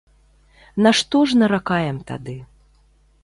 На што ж наракаем тады?